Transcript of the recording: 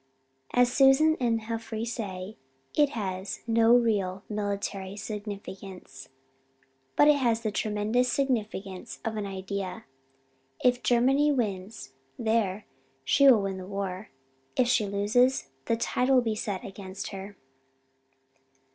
As Susan and Joffre say, it has no real military significance; but it has the tremendous significance of an Idea. If Germany wins there she will win the war. If she loses, the tide will set against her."